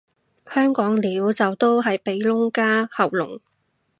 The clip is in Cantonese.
香港撩就都係鼻窿加喉嚨